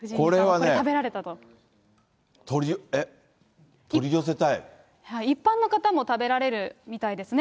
これはね、一般の方も食べられるみたいですね。